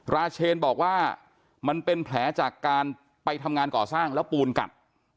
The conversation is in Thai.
ราเชนบอกว่ามันเป็นแผลจากการไปทำงานก่อสร้างแล้วปูนกัด